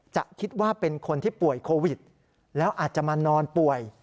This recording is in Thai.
จะคิดว่าเป็นคนที่ป่วยโควิดแล้วอาจจะมานอนป่วย